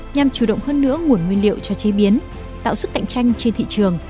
nhằm chủ động hơn nữa nguồn nguyên liệu cho chế biến tạo sức cạnh tranh trên thị trường